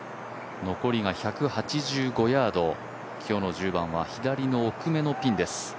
残りが１８５ヤード、今日の１０番は左の奥目のピンです。